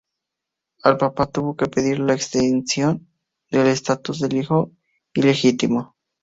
Al Papa tuvo que pedir la exención del estatus del hijo ilegítimo.